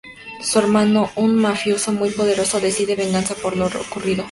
Su hermano, um mafioso muy poderoso, decide venganza por lo ocurrido.